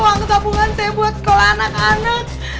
wangit abu angit buat sekolah anak anak